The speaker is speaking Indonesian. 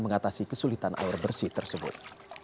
mengatasi kesulitan air bersih tersebut